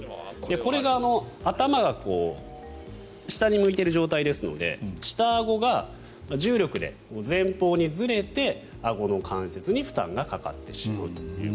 これが頭が下に向いている状態ですので下あごが重力で前方にずれてあごの関節に負担がかかってしまうという。